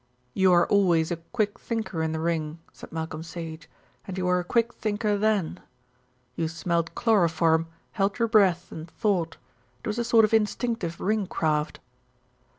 "You are always a quick thinker in the ring," said Malcolm Sage, "and you were a quick thinker then. You smelt chloroform, held your breath and thought. It was a sort of instinctive ring craft."